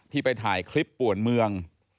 ไปถ่ายคลิปป่วนเมือง